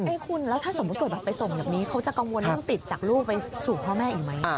คุณแล้วถ้าสมมุติเกิดแบบไปส่งแบบนี้เขาจะกังวลเรื่องติดจากลูกไปสู่พ่อแม่อีกไหม